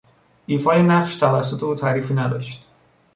ایفای نقش توسط او تعریفی نداشت.